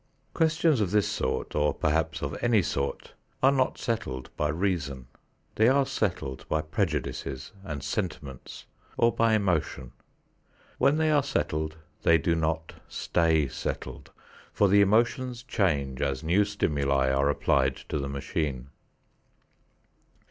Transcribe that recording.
Questions of this sort, or perhaps of any sort, are not settled by reason; they are settled by prejudices and sentiments or by emotion. When they are settled they do not stay settled, for the emotions change as new stimuli are applied to the machine.